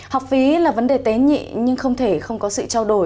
học phí là vấn đề tến nhị nhưng không thể không có sự trao đổi